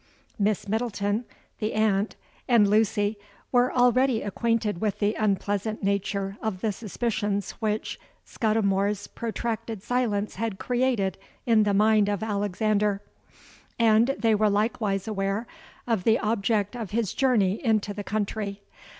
_' Miss Middleton (the aunt) and Lucy were already acquainted with the unpleasant nature of the suspicions which Scudimore's protracted silence had created in the mind of Alexander; and they were likewise aware of the object of his journey into the country.